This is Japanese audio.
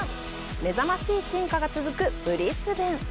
目覚ましい進化が続くブリスベン。